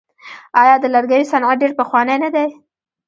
آیا د لرګیو صنعت ډیر پخوانی نه دی؟